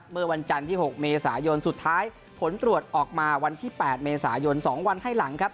เมื่อวันจันทร์ที่๖เมษายนสุดท้ายผลตรวจออกมาวันที่๘เมษายน๒วันให้หลังครับ